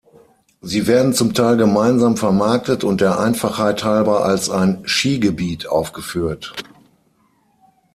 Sie werden zum Teil gemeinsam vermarktet und der Einfachheit halber als ein Skigebiet aufgeführt.